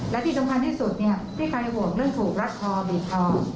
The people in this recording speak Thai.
และที่สำคัญที่สุดเนี่ยไม่เคยห่วงเรื่องถูกรัดคอบีบคอ